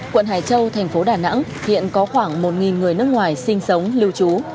quận hải châu thành phố đà nẵng hiện có khoảng một người nước ngoài sinh sống lưu trú